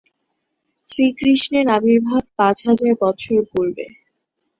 শ্রীকৃষ্ণের আবির্ভাব পাঁচ হাজার বৎসর পূর্বে।